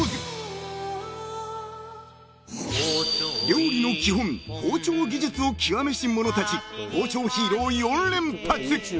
［料理の基本包丁技術を極めし者たち包丁ヒーロー４連発！］